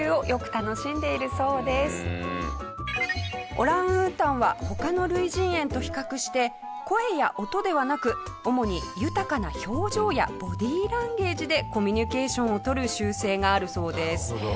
オランウータンは他の類人猿と比較して声や音ではなく主に豊かな表情やボディーランゲージでコミュニケーションをとる習性があるそうです。